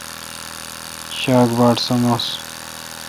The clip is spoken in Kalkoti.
شاک باٹ سمونس